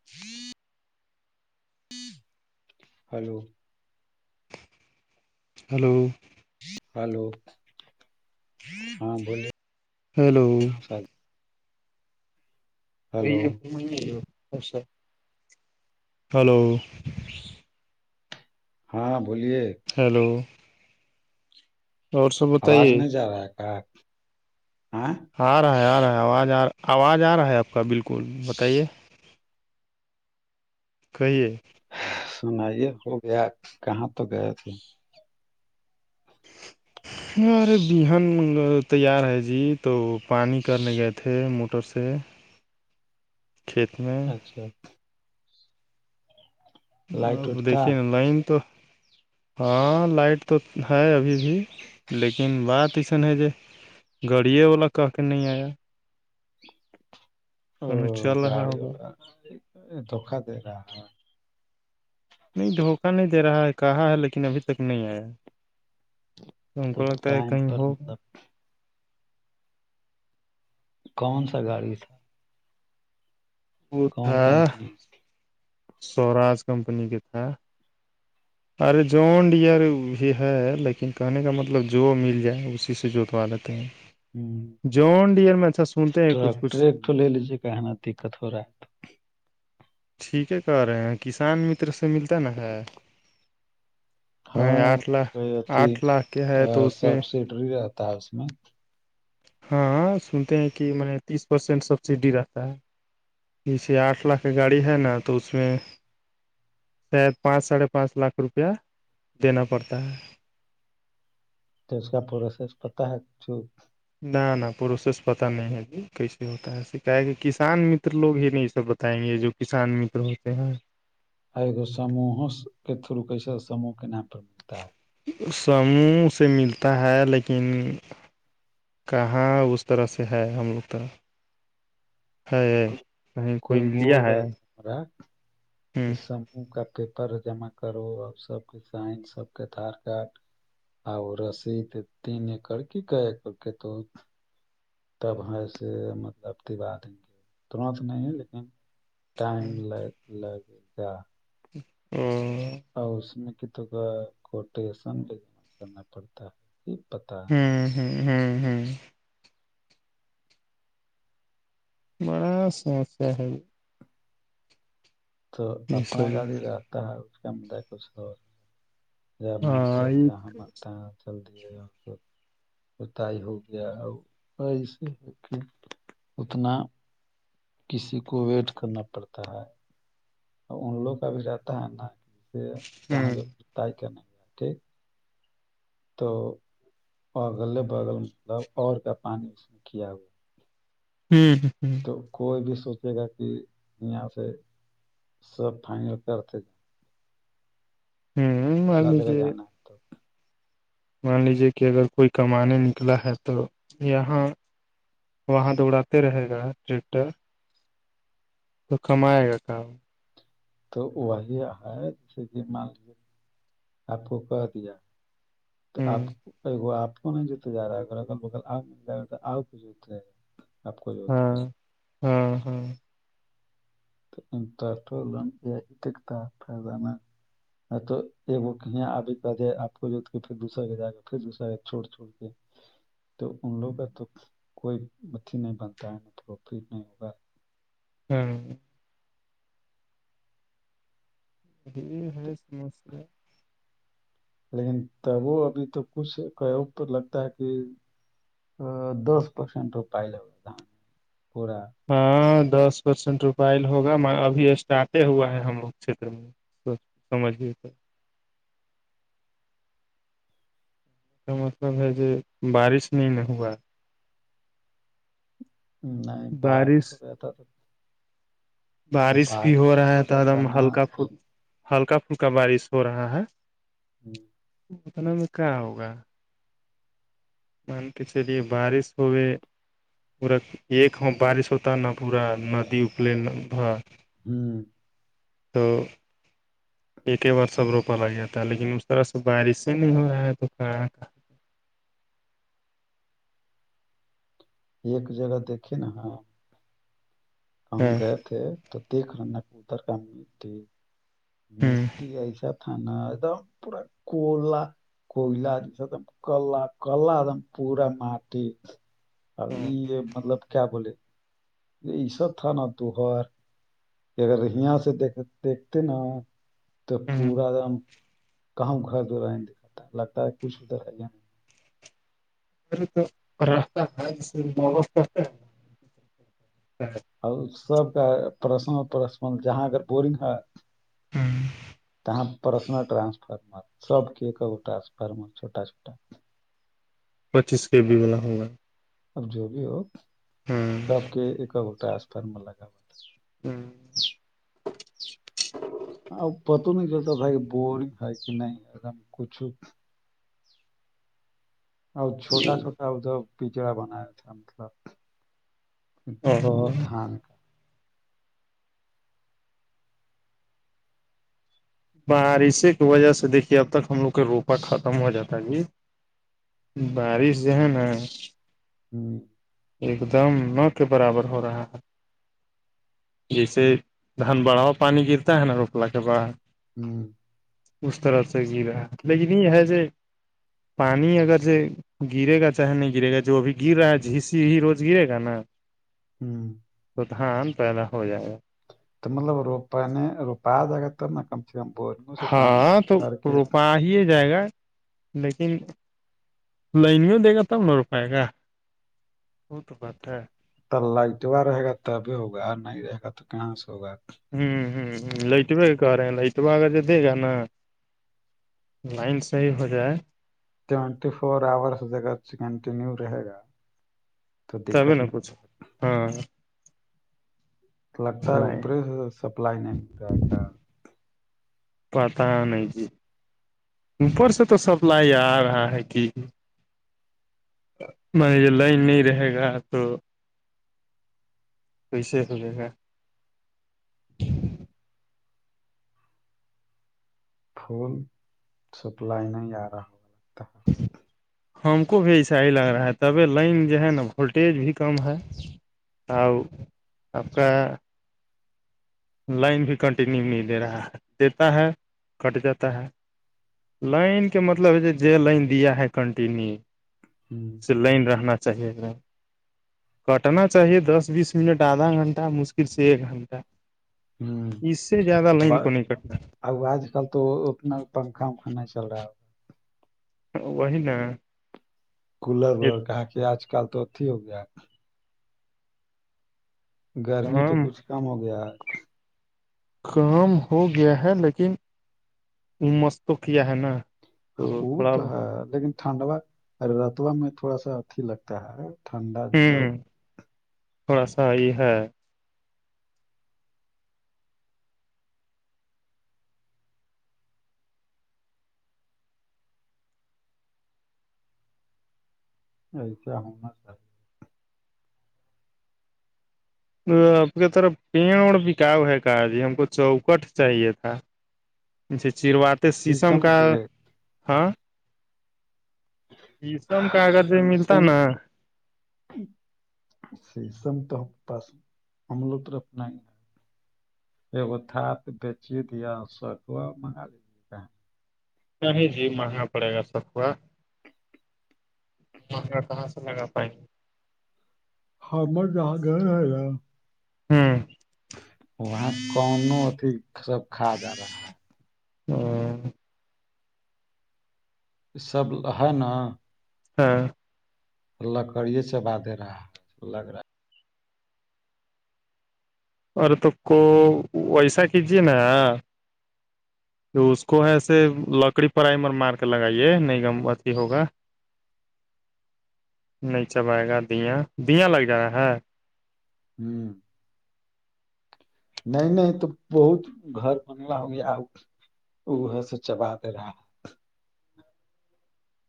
[inaudible] hello hello hello ہاں بو لئے ہیلو ہلو ہلو ہاں بولیے ہیلو اور سب بتائیے آواز نہیں جا رہا ہے کہ آئ آ رہا ہے آ رہا ہے آواز آ آواز آ رہا ہے آپ کا بالکل بتائیے کہیے سنائیے ہو گیا کہاں تو گئے تھے [inaudible] ارے بہن تیار ہے جی تو پانی کرنے گئے تھے موٹر سے کھیت میں اچھا لائٹ اب وٹ تھا دیکھیے نا لائن تو ہاں لائٹ تو ہے ابھی ج لیکن بات ایسن ہے ج گاڑیے والا کہ کے نہیں آیا ا کہیں چل رہا گاڑی ہوگا والا دھوکا دے رہا ہ نہیں دھوکہ نہیں دے رہا ہے کہا ہے لیکن ابھی تک نہیں آیا تو انکو لگتا ہے ٹائم کہی پر ہو مطلب کون سا گاڑی تھا وہ کون تھا کمپنی سوراج کمپنی کے تھا [inaudible] ارے جوان ڈئر بھی ہے لیکن کہنے کا مطلب جو مل جائے اسی سے جوتوا لیتے ہیں ہوں جوان ڈئر میں اچھا سنتے ہیں کچھ کچھ یے کہنا دقت ہو رہا ہے ٹھیک ہے کر رہے ہیں کسان متر سے ملتا نا ہے ہ ہاں آٹھ لاکھ کوئی آٹھ لاکھ کیا ہے تو اس میں ری رہتا ہے اس میں ہاں سنتے ہیں کہ میں تیس پرسینٹ سبسڈی رہتا ہے جیسے آٹھ لاکھ کی گاڑی ہے نا تو اس میں شاید پانچ ساڑھے پانچ لاکھ روپیہ دینا پڑتا ہے تو اس کا پورسی کرتا ہے چو نہ نہ پروسیس پتا نہیں ہے جی کیسے ہوتا ہے سکا کہ کسان متر لوگ ہی نہیں سب بتائیں گے یہ جو کسان متر ہوتے ہیں ایگو سموہ کے تھرو کیسے سوہ کے نام پر ملتا ہے سموہ سے ملتا ہے لیکن کہاں اس طرح سے ہے ہم لوگ طرح ہے کہیں کوئی لیا ہے ہ کا پیپر جمع کرو اور سب کے سائن سب کے آدھار کارڈ آ رسی تین ایک کڑکی کائے کرڑک تو تب ایسے مطلب دبا دیں گے ترت نہیں ہے لیکن ٹائم لگ لگے گا ہوں اور اس میں کتوں کا کوٹیشن بھیم کرنا پڑتا ہے کہ پتا ہاں ہاں ہاں ہاں بڑا سمسیا ہے تو یہ اپنا سب گالی رکھتا ہے اس کم کچھ اور جب ہاں منتےب ہوں جہاں بنتا ہے چل دیے گا بتائی ہو گیا ایسے ہے کہ اتنا کسی کو ویٹ کرنا پڑتا ہے ان لوگ کا بھی رہتا ہے نا جسے یہاں ہوں جوائی کرنےیا ٹھیک تو اگل بغل مطلب اور کا پانی اس میں کیا ہوا ہوں ہ ہ تو کوئی بھی سوچے گا کہ یہاں سے سر فائنل کرتے تھ ہ مان دوسرا جگا لیجیے جانا تو مان لیجے کہ اگر کوئی کمانے نکلا ہے تو یہاں وہاں تو اڑاتے رہے گا ٹریکٹر تو کماائے گا کام تو وہی ہے جیسے کہ مان لیے آپ کو کہ دیا تو آپ ہوں آپ کو نہیں جتے جا رہا ہےگر ال بکل آ مل جائے گا تو آ کچھت رہے ہے ہاں ہوں ہوں انٹٹولن یہیاتا فائدان ہ تو ایک وہ یہ آب د آ کو جوت کےھر دوسرا کے جا پھر دوسرا چھوڑ چھوڑ تے [unintelligible] تو ان لوگوں کا تو کوئی اھی نہیں بنتا ہے پروفٹ نہیں ہوگا ہوں یہ ہے سمجے لیکن ت وہ ابھی تو کچھ لگتا ہے کہ ا دس پرسینٹ پائے لگا پورا ہاں دس پرسینٹ روپل ہوگا ابھی اسٹارٹے ہوا ہے ہم لوگ چھیر میں تو سمجھھی گے سر اس کا مطلب ہے کہ بارش نہیں نہ ہوا نہیں بار س بارش سبے آتا بارش بھی ہو رہا ہے تو ایک دم ہلکا ہلکا پھلکا بارش ہو رہا ہے جی اتنے میں کیا ہوگا مان کے چلیے بارش ہوئے پورا ایک بارش ہوتا نہ پورا ندی اکل ہوں تو ایک ہی بار سب روپا ل گیا تھا ہے لیکن اس طرح سے بارش ہی نہیں ہو رہا ہے تو کہ کا ایک جگہ دیکھی نا ہ کہوں ہاں گئے تھے تو دیکھ رہے ن ادھر کا مٹی ہوں مٹی ایسا تھانا د پورا کولا کوئلا نہیں سدم کلا کلا دم پورور م اب یہ یہ مطلب کیا بولے یہ ای سب تھا نا توہر کہ اگر یہاں سے دیکھ دیکھتے نا تو پورا دم کہاں گھر دور نہیں دکھاتا ہے لگتا ہے کچھ ادھر ہے یا نہیں تو رہتا ہے ج اور سب کا پرسنل پرس جہاں اگر بورنگ ہے ہے ت پرسنل رانسفر مر سب کے ایکگٹاس پر میں چھوٹا چھوٹا پچیس کے بی میں نہ ہوںگا اب جو بھی ہو سب کے ایک اور گٹسپرم لگا ہوا ہوں آ پت نہیں ج تھا کہ بور ہے کہ نہیں کچھو اور چھوٹا چھوٹا ا جو پچڑا بنایا تھا مطلب او یہتان بارشے کی وجہ سے دیکھیے اب تک ہم لوگ کا روپا ختم ہو جاتا ہے جی بارش جو ہے نا ہ ایک دم ن کے برابر ہو رہا ہے جیسے دان بڑا ہوا پانی گرتا ہے نا روپلا کے بڑا ہوں اس طرف سے گرا لیکن یہ ہے جو پانی اگر سے گرے گا چاہے نہیں گرے گا جو ابھی گر رہا ہے جسی ہی روز گرے گا نا ہوں توتحاں عام پیدا ہو جائے گا تو مطلب روپ نے روپا جگا ت کم چیپور ہاں تو روپا ہی جائے گا لیکن لائن میں دے گا تب نہ ر پائے گا وہ تو بات ہے ت للہ جا رہے گا تب ہوگا نہیں رہے گا تو کہاں سے ہوگا ہوں ہوں لائٹوے کہ رہے ہیں لائٹوہ آگر جو دے گا نا لائن صحیح ہو جائے ٹوینٹی فور آورس جگہ کنٹینیو رہے گا ت میں نہ پوچو ہاں لگتا ہے نہیں اوپرے سے سپلائی نہیں ہو رہا ہے کا پتا نہیں جی اوپر سے تو سپلائی آ رہا ہے کہ جی مان یہ لائن نہیں رہے گا تو کییسے ہو جے گا پھول سپلائی نہیں آ رہا ہوا لگتا ہے ہم کو بھی ایسا ہی لگ رہا ہے تبھی لائن جو ہے نا وولٹیج بھی کم ہے آؤ آپ کا لائن بھی کنٹینیو نہیں لے رہا ہے دیتا ہے کٹ جاتا ہے لائن کے مطلب ہے جو لائن دیا ہے کنٹینیو ہوں سے لائن رہنا چاہیے ایک کٹنا چاہیے دس بیس منٹ آدھا گھنٹہ مشکل سے ایک گھنٹہ اس سے زیادہ لائن کو نہیں کٹتا اب آج کل تو اتنا پنکھا ونکھا نہیں چل رہا وہی ن کولر ولر کہاں کی آج کل تو اتھی ہو گیا ہے گرمی تو کام کچھ کم ہو گیا کام ہو گیا ہے لیکن مس تو کیا ہے نا وہ تو ہے لیکن ٹھنڈوا رتبا میں تھوڑا سا اھی لگتا ہے ہوں تھوڑا سا یہ ہے ایسا ہونا چاہیے [unintelligible] آپ کی طرف پیڑ اور بکاؤ ہے کہ جی ہم کو چوکٹ چاہیے تھا [inaudible] جچھے چیروات شیشم کا ہاں شیشم کا اگر جو ملتا فیشم نا [unintelligible] سی سم تو ہم پاس ہم لوگ تور اپنا ہی ہے ایگو تھات بیچی دیا سکوا منگا لی نہیں جی مہنگا پڑے گا سبا مہنگا کہاں سے لگا پائیں گے [unintelligible] ہمر جہاں گھر ہے نا [unintelligible] گے وہاں کون اتیھی سب کھا جا رہا ہے [unintelligible] ہوں سب ہے نا ہاں [unintelligible] اللہ کریے چبا دے رہا ہے لگ رہا ارے تو کو ویسا کیجیے نا تو اس کو ایسے لکڑی پر آئیمر مار کے لگائیے نہیںم اتی ہوگا [inaudible] [inaudible] نہیں چب آائے گا دیا دیا لگ جا ہے ہوں [unintelligible] نہیں نہیں تو بہت گھر بنوا ہویا وہ س چبا دے رہا ہے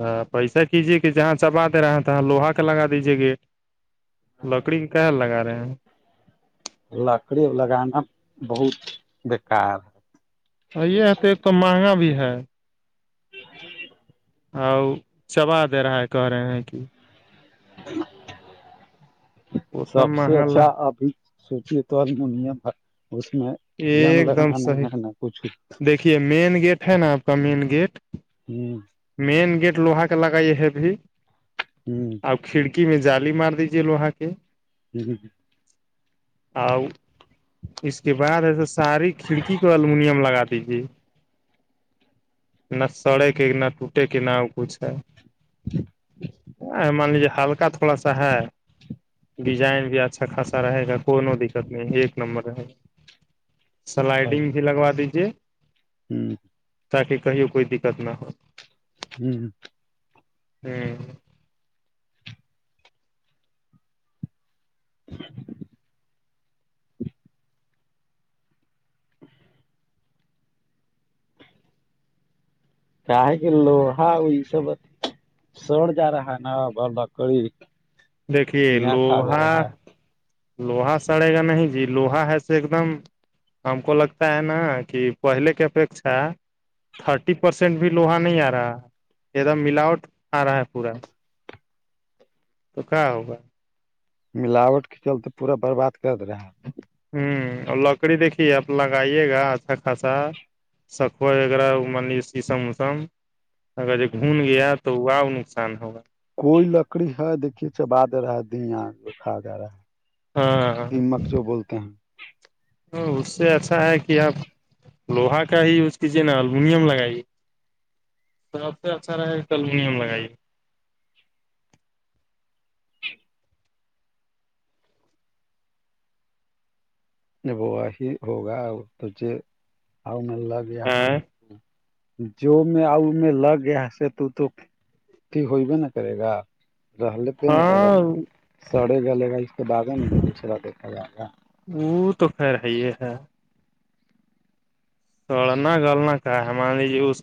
ہ پیسہ کیجیے کہ جہاں چبا دے رہے ہیں توہاں لوہا کے لگا دیجیے گیٹ لکڑی کیار لگا رہے ہیں لکڑی لگانا بہت بیکار ہے یہ ہے تو ایک توم مہنگا بھی ہے جی ج [unintelligible] اور چبا دے رہا ہے کہہ رہے ہیں کہ اتنا سب سے مہنگا لا اچھا ابھی سوچے تود م اس میں جان ایک دم لگنا نہیں صحیح ہےگنا کچھ دیکھیے مین گیٹ ہے نا آپ کا مین گیٹ ہوں [unintelligible] مین گیٹ لوہا کے لگائی ہے ا بھیھی ہوں [unintelligible] کھڑکی میں جالی مار دیجیے لوہا کے جی ج ج [inaudible] آ [unintelligible] اس کے بعد ایسا ساری کھڑکی کو الومنیم لگا دیجیے نہ سڑے کے نہ [unintelligible] ٹوٹے کے نام کچھ ہے ا مان لیجیے ہلکا تھوڑا سا ہے ڈیزائن بھی اچھا خاصا رہے گا کو دقت نہیں ایک نمبر رہے گا سلائڈنگ بھی لگوا دیجے ہوں [inaudible] تاکہ کہیوں کوئی دقت نہ ہو ہوں ہوں [inaudible] کیا ہے گ لو ہا وہئی سبت سوڑ ج رہا ہے نا بول نکلی دیکھیے لوہا لوہا سڑے گا نہیں جی لوہا ہےسے ایک دم ہم کو لگتا ہے نا کہ پہلے کے اپیکھا تھرٹی پرسینٹ بھی لوہا نہیں آ رہا ہے ایک دم ملاوٹ آ رہا ہے پورا تو کہ ہوگا ملاوٹ کے چلتے پورا برباد کرد رہا ہے ہوں اور لکڑی دیکھیے آپ لگائیے گا اچھا خاصا سکو ایکرا مان لیے شیشم اسم اگر ج گھن گیا تو واؤ نقصان ہوگا کوئی لکڑی ہے دیکھیے چبا د رہا ہے دکھا جا رہا ہے ہاں ہاں جو بولتا ہیں اس سے ایسا ہے کہ آپ لوہا کا ہییوز کیجیے نا المونیم لگائیے سب سے اچھا رہ گا الومینم لگائیے وہ ہی ہوگا تو آؤ ملہ بھی ہاں جو میں آؤ میں لگ گیا سے تو تو ہوئی بھی نہ کرے گا رہ لیتے ن کرے گا ہاں سڑے جلے گا اس کے بعد ہی نا دوسرا دیکھا جائے گا وہ تو خیر ہے یہ ہے توڑنا گولنا کا ہے ہم جی اس